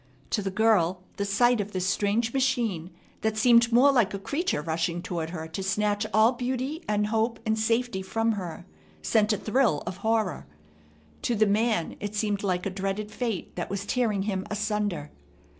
To the girl the sight of this strange machine, that seemed more like a creature rushing toward her to snatch all beauty and hope and safety from her, sent a thrill of horror. To the man it seemed like a dreaded fate that was tearing him asunder.